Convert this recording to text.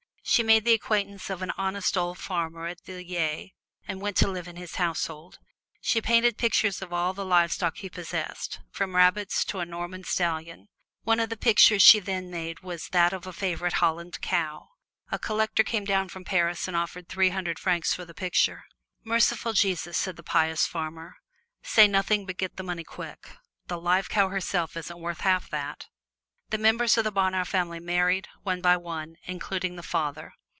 She made the acquaintance of an honest old farmer at Villiers and went to live in his household. She painted pictures of all the livestock he possessed, from rabbits to a Norman stallion. One of the pictures she then made was that of a favorite Holland cow. A collector came down from Paris and offered three hundred francs for the picture. "Merciful Jesus!" said the pious farmer; "say nothing, but get the money quick! The live cow herself isn't worth half that!" The members of the Bonheur family married, one by one, including the father.